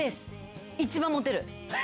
一番モテる。